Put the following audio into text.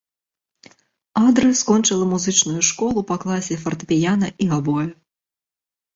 Адры скончыла музычную школу па класе фартэпіяна і габоя.